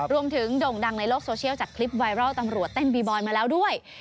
โด่งดังในโลกโซเชียลจากคลิปไวรัลตำรวจเต้นบีบอยมาแล้วด้วย